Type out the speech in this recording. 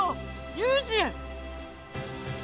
ジューシー！